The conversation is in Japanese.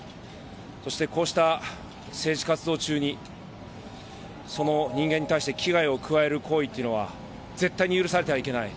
そして、こうした政治活動中にその人間に対して危害を加える行為というのは絶対に許されてはいけない。